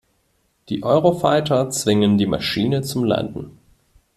Die Eurofighter zwingen die Maschine zum Landen.